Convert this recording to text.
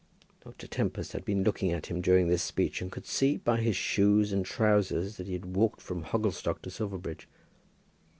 Dr. Tempest had been looking at him during this speech, and could see by his shoes and trowsers that he had walked from Hogglestock to Silverbridge.